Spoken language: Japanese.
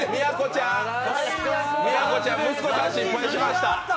ちゃーん息子さん失敗しました。